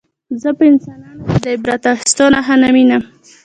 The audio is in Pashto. زه په انسانانو کې د عبرت اخیستلو نښه نه وینم